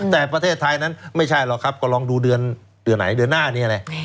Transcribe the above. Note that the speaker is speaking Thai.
แต่ประเทศไทยนั้นไม่ใช่หรอกครับก็ลองดูเดือนไหนเดือนหน้านี้แหละ